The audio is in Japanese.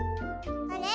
あれ？